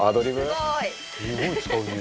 「すごい使うニラ」